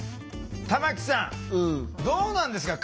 玉木さんどうなんですか？